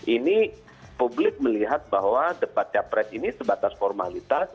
ini publik melihat bahwa debat capres ini sebatas formalitas